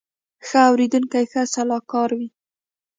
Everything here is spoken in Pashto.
ښه اورېدونکی ښه سلاکار وي